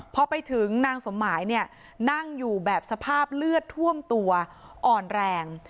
พอไปถึงนางสมหมายเนี่ยนั่งอยู่แบบสภาพเลือดท่วมตัวอ่อนแรง